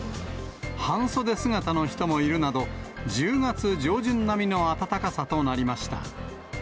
半袖姿の人もいるなど、１０月上旬並みの暖かさとなりました。